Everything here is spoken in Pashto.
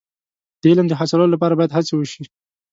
د علم د حاصلولو لپاره باید هڅې وشي.